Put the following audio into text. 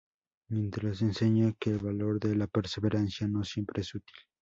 Mientras enseña que el valor de la perseverancia no siempre es útil.